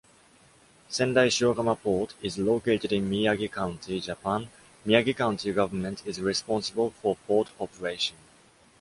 Sendaishiogama port is located in Miyagi County, Japan. Miyagi county government is responsible for port operation.